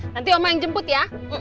nanti oma yang jemput ya